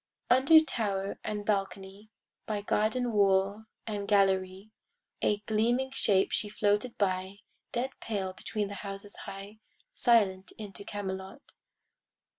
Under tower and balcony, By garden wall and gallery, A gleaming shape she floated by, Dead pale between the houses high, Silent into Camelot.